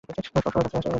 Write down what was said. ওর সবচেয়ে কাছে আছে কারা?